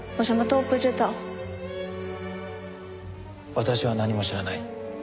私は何も知らない。